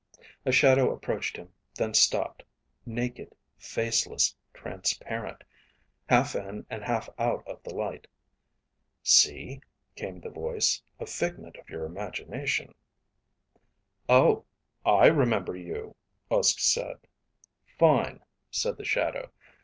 A shadow approached him, then stopped, naked, faceless, transparent, half in and half out of the light. "See," came the voice. "A figment of your imagination." "Oh, I remember you," Uske said. "Fine," said the shadow.